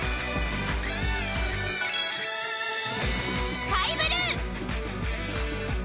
スカイブルー！